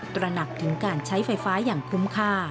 ตระหนักถึงการใช้ไฟฟ้าอย่างคุ้มค่า